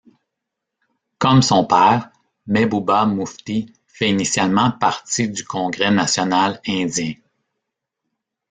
Comme son père, Mehbooba Mufti fait initialement partie du Congrès national indien.